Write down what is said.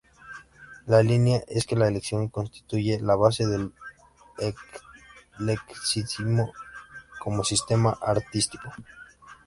La idea es que la elección constituye la base del eclecticismo como sistema artístico.